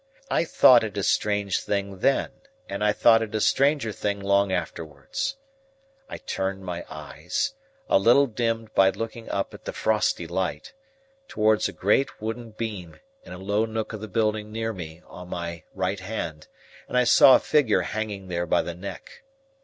I thought it a strange thing then, and I thought it a stranger thing long afterwards. I turned my eyes—a little dimmed by looking up at the frosty light—towards a great wooden beam in a low nook of the building near me on my right hand, and I saw a figure hanging there by the neck.